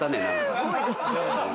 すごいですね。